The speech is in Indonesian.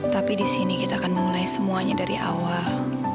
tapi di sini kita akan memulai semuanya dari awal